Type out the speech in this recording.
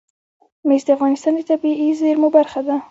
مس د افغانستان د طبیعي زیرمو برخه ده.